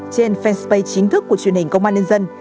trên fanpage chính thức của truyền hình công an nhân dân